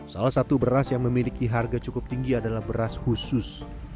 salah satu beras yang memiliki harga cukup tinggi adalah beras khusus